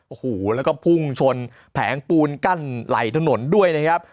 โอ้โหแล้วก็พุ่งชนแผงปูนกั้นไหล่ถนนด้วยนะครับ